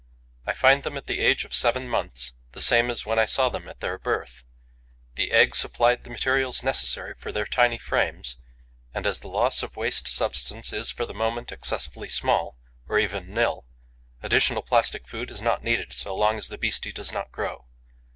I find them at the age of seven months the same as when I saw them at their birth. The egg supplied the materials necessary for their tiny frames; and, as the loss of waste substance is, for the moment, excessively small, or even nil, additional plastic food is not needed so long as the beastie does not grow.